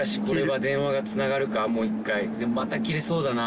また切れそうだな。